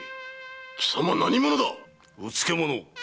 貴様何者だ⁉うつけ者！